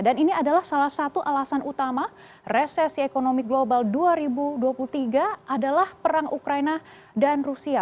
dan ini adalah salah satu alasan utama resesi ekonomi global dua ribu dua puluh tiga adalah perang ukraina dan rusia